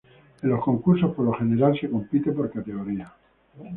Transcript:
En los concursos por lo general se compite por categorías.